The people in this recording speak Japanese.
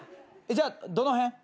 じゃあどの辺？